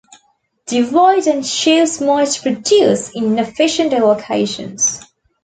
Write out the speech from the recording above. Divide-and-choose might produce inefficient allocations.